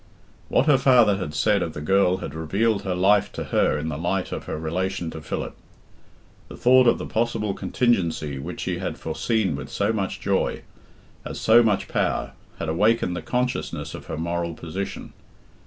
What her father had said of the girl had revealed her life to her in the light of her relation to Philip. The thought of the possible contingency which she had foreseen with so much joy, as so much power, had awakened the consciousness of her moral position.